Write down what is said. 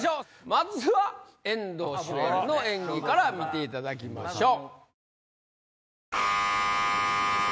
まずは遠藤主演の演技から見ていただきましょう。